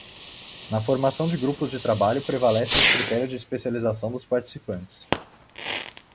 Na formação de grupos de trabalho prevalecem os critérios de especialização dos participantes.